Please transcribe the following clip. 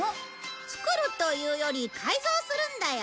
作るというより改造するんだよ！